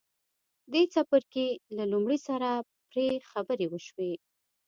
دې څپرکي له لومړي سره پرې خبرې وشوې.